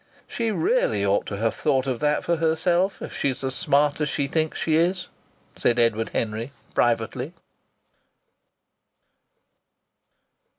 "She really ought to have thought of that for herself, if she's as smart as she thinks she is," said Edward Henry, privately.